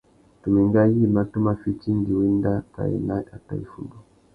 Tu mà enga yïmá tu má fiti indi wá enda kā ena atõh iffundu.